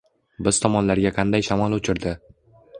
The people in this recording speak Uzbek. Biz tomonlarga qanday shamol uchirdi